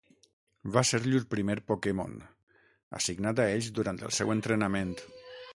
Va ser llur primer Pokémon, assignat a ells durant el seu entrenament.